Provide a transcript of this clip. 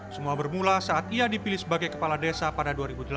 semua bermula saat ia dipilih sebagai kepala desa pada dua ribu delapan